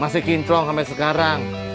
masih kincrong sampe sekarang